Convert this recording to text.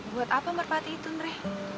buat apa merpati itu andre